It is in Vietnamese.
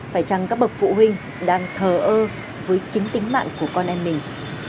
phải chăng các bậc phụ huynh đang thờ ơ với chính tính mạng của con em mình